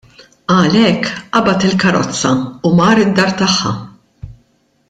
Għalhekk qabad il-karrozza u mar id-dar tagħha.